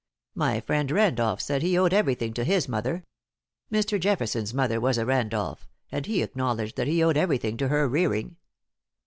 My friend Randolph said he owed everything to his mother. Mr. Jefferson's mother was a Randolph, and he acknowledged that he owed everything to her rearing.